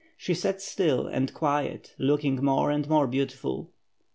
She sat still and quiet, looking more and more beautiful.